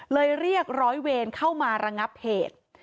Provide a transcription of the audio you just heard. เรียกร้อยเวรเข้ามาระงับเหตุ